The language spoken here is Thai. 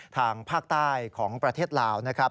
ทางภาคใต้ของประเทศลาวนะครับ